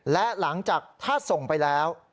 และหลังจากถ้าส่งไปแล้ว